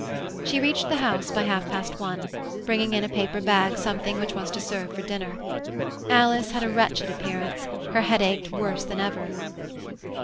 She reached the house by half past one, bringing in a paper bag something which was to serve for dinner. Alice had a wretched appearance; her head ached worse than ever.